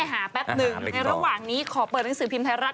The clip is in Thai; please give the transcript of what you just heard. แป๊บหนึ่งในระหว่างนี้ขอเปิดหนังสือพิมพ์ไทยรัฐ